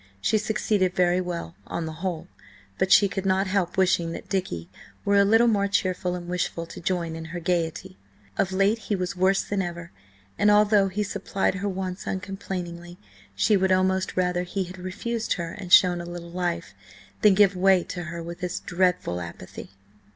She succeeded very well, on the whole, but she could not help wishing that Dicky were a little more cheerful and wishful to join in her gaiety. Of late he was worse than ever, and although he supplied her wants uncomplainingly, she would almost rather he had refused her and shown a little life, than give way to her with this dreadful apathy.